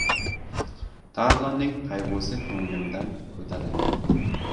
Tarlonning qayg‘usi ko‘nglimdan ko‘tarilmadi.